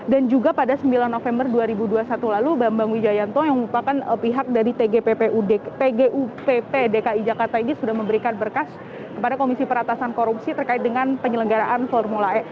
dan juga pada sembilan november dua ribu dua puluh satu lalu bambang wijayanto yang merupakan pihak dari tgupp dki jakarta ini sudah memberikan berkas kepada komisi peratasan korupsi terkait dengan penyelenggaraan formula e